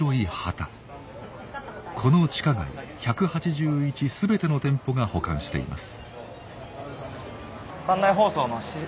この地下街１８１全ての店舗が保管しています。